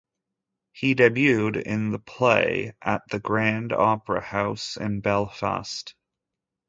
He debuted in the play at the Grand Opera House in Belfast.